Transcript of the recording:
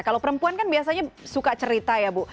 kalau perempuan kan biasanya suka cerita ya bu